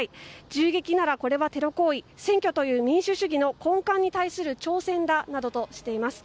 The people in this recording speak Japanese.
銃撃ならこれはテロ行為選挙という民主主義の根幹に対する挑戦だなどとしています。